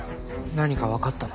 何かわかったの？